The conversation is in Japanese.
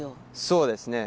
そうですね。